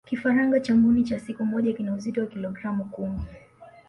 kifaranga cha mbuni cha siku moja kina uzito wa kilogramu kumi